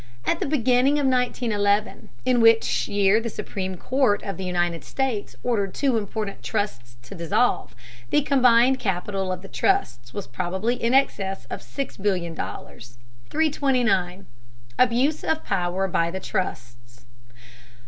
At the beginning of 1911, in which year the Supreme Court of the United States ordered two important trusts to dissolve, the combined capital of the trusts was probably in excess of $6,000,000,000. 329. ABUSE OF POWER BY THE TRUSTS.